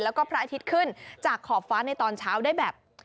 แล้วก็พระอาทิตย์ขึ้นจากขอบฟ้าในตอนเช้าได้แบบ